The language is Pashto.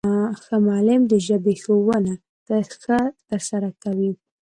ښه معلم د ژبي ښوونه ښه ترسره کوي.